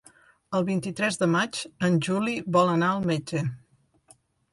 El vint-i-tres de maig en Juli vol anar al metge.